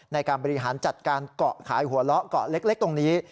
ในการบริหารจัดการเกาะขายหัวเลาะเกาะเล็กตรงนี้